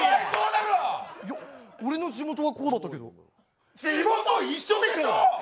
いや、俺の地元はこうだったけど？地元一緒でしょ！